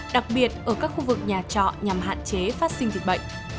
đặc biệt ở các khu vực nhà trọ nhằm hạn chế phát sinh dịch bệnh